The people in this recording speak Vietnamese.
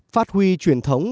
phát huy truyền thống